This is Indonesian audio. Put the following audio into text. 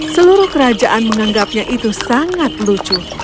seluruh kerajaan menganggapnya itu sangat lucu